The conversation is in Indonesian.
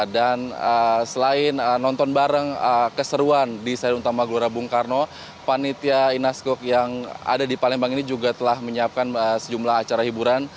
dan selain nonton bareng keseruan di stadion utama gelora bung karno panitia inaskog yang ada di palembang ini juga telah menyiapkan sejumlah acara hiburan